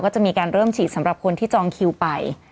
ก็จะมีการเริ่มฉีดสำหรับคนที่จองคิวไป